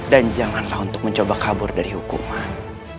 dan janganlah untuk mencoba kabur dari hukuman